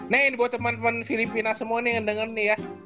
nah ini buat temen temen filipina semua nih yang denger nih ya